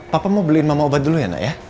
papa mau beliin mama obat dulu ya nak ya